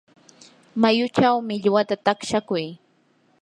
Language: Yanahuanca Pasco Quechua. mayuchaw millwata takshakuy.